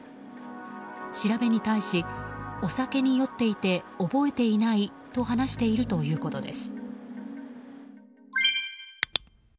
調べに対しお酒に酔っていて覚えていないと話しているということです。